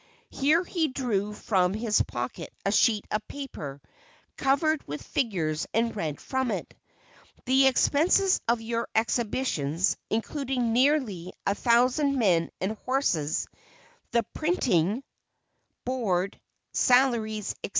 Here he drew from his pocket a sheet of paper covered with figures, and read from it: "The expenses of your exhibitions, including nearly a thousand men and horses, the printing, board, salaries, &c.